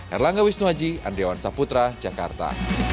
erlangga wisnuaji andriawan saputra jakarta